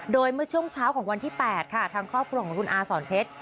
โดยเมื่อช่วงเช้าของวันที่๘ค่ะทางครอบครัวของคุณอาสอนเพชร